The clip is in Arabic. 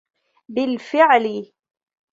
بالفعل.